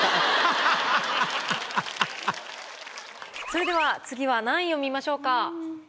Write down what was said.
それでは次は何位を見ましょうか？